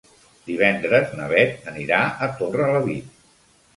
Divendres na Beth anirà a Torrelavit.